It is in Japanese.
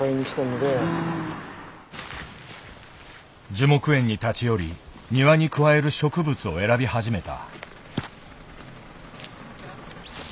樹木園に立ち寄り庭に加える植物を選び始めた。